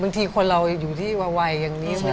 คนที่อยู่ด้วยนับวัย